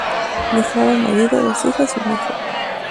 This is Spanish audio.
Dejaba marido, dos hijas y un hijo.